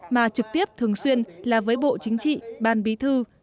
mà trực tiếp thường xuyên là với bộ chính trị ban bí thư